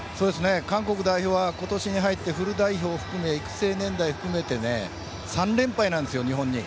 韓国代表は今年に入ってフル代表を含め育成年代を含めて３連敗なんです、日本に。